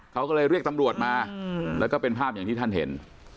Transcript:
เขาก็เลยเรียกตำรวจมาแล้วก็เป็นภาพอย่างที่ท่านเห็น